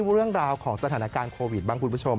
เรื่องราวของสถานการณ์โควิดบ้างคุณผู้ชม